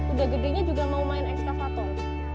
udah gedenya juga mau main ekskavator